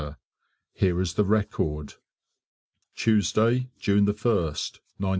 Here is the record: Tuesday, June 1st, 1915.